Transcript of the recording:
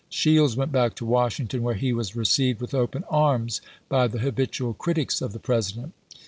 Shields went back to Washing ton, where he was received with open arms by the habitual critics of the President.